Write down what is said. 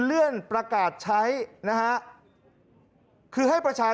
ขอเลื่อนสิ่งที่คุณหนูรู้สึก